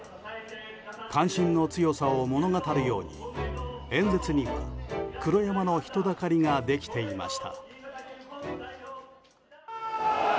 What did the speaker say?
関心の強さを物語るように演説には、黒山の人だかりができていました。